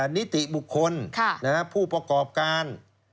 นิติบุคคลผู้ประกอบการ